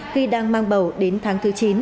khi đang mang bầu đến tháng thứ chín